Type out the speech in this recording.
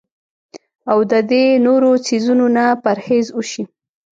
او د دې نورو څيزونو نه پرهېز اوشي